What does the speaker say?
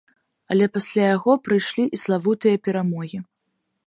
Але пасля яго прыйшлі і славутыя перамогі.